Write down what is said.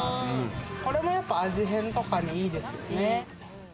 これもやっぱ味変とかにいいですよね。